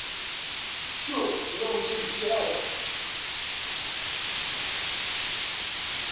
Ttuɣ, ur awen-tt-in-fkiɣ ara.